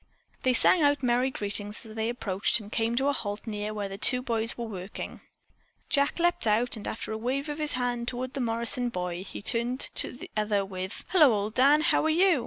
They sang out merry greetings as they approached and came to a halt near where the two boys were working. Jack leaped out and, after a wave of his hand toward the Morrison boy, he turned to the other with, "Hello, old Dan, how are you?